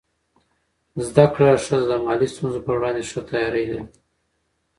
زده کړه ښځه د مالي ستونزو پر وړاندې ښه تیاری لري.